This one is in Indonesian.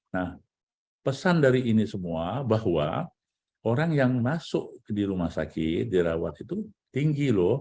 nah pesan dari ini semua bahwa orang yang masuk di rumah sakit dirawat itu tinggi loh